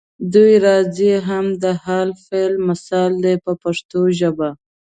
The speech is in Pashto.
دوی راځي هم د حال فعل مثال دی په پښتو ژبه.